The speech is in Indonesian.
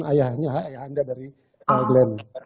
ayahnya ayah anda dari glenn